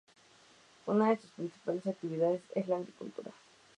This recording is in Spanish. Una de sus principales actividades, es la agricultura.